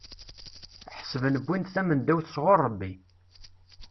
Ḥesben wwin-d tamendawt sɣur Rebbi.